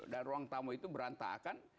dan ruang tamu itu berantakan